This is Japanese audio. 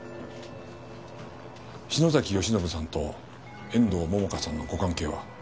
篠崎善信さんと遠藤桃花さんのご関係は？